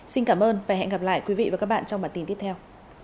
xin cảm ơn và hẹn gặp lại quý vị và các bạn trong bản tin tiếp theo